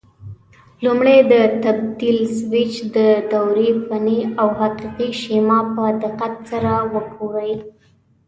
لومړی د تبدیل سویچ د دورې فني او حقیقي شیما په دقت سره وګورئ.